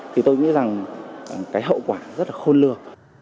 thì tôi nghĩ rằng cái hậu quả rất là khôn lường